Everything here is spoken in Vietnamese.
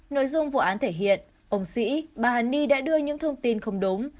nội dung vụ án thể hiện ông sĩ bà hà ni đã đưa những thông tin không đúng